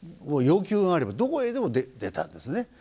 要求があればどこへでも出たんですね。